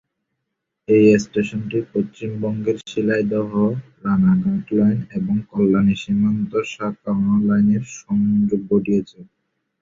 এই স্টেশনটি পশ্চিমবঙ্গের শিয়ালদহ-রাণাঘাট লাইন এবং কল্যাণী সীমান্ত শাখা লাইনের সংযোগ ঘটিয়েছে।